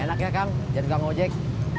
enak ya kang jadikan ojek